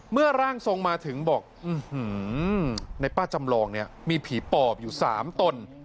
ร่างทรงมาถึงบอกในป้าจำลองเนี่ยมีผีปอบอยู่๓ตน